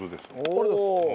ありがとうございます。